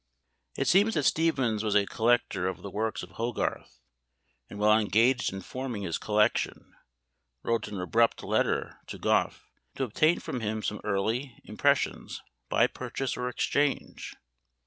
It seems that Steevens was a collector of the works of Hogarth, and while engaged in forming his collection, wrote an abrupt letter to Gough to obtain from him some early impressions, by purchase or exchange.